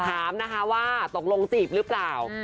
ถามนะคะว่าตกลงจีบหรือเปล่า